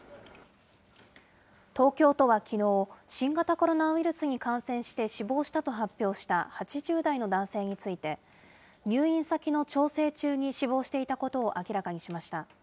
東京都はきのう、新型コロナウイルスに感染して死亡したと発表した８０代の男性について、入院先の調整中に死亡していたことを明らかにしました。